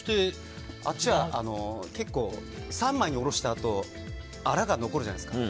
こっちは、三枚に下ろしたあとアラが残るじゃないですか。